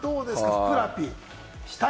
ふくらＰ。